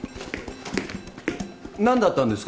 何だったんですか？